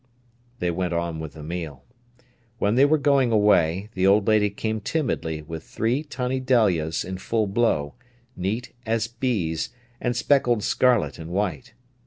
They went on with the meal. When they were going away, the old lady came timidly with three tiny dahlias in full blow, neat as bees, and speckled scarlet and white.